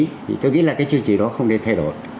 thì tôi nghĩ là cái chương trình đó không nên thay đổi